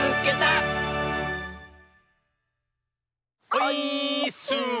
オイーッス！